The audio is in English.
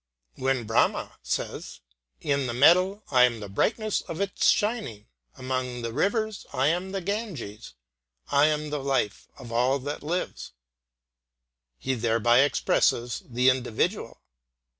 When Brahma says, "In the metal I am the brightness of its shining; among the rivers I am the Ganges; I am the life of all that lives," he thereby suppresses the individual.